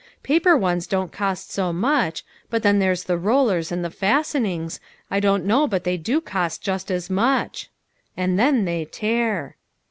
Paper ones don't cost so much, but then there's the rollers and the fasten ings, I don't know but they do cost just as much. And then they tear."